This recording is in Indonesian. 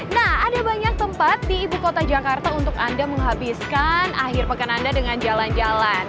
nah ada banyak tempat di ibu kota jakarta untuk anda menghabiskan akhir pekan anda dengan jalan jalan